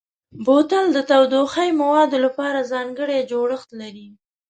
بوتل د تودوخهيي موادو لپاره ځانګړی جوړښت لري.